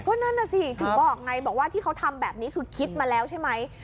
ก็นั่นน่ะสิถึงบอกไงบอกว่าที่เขาทำแบบนี้คือคิดมาแล้วใช่ไหม